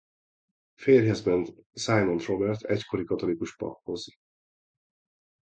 Férjhez ment Simon Robert egykori katolikus paphoz.